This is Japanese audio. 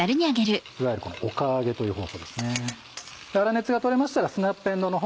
いわゆるこのおか上げという方法ですね。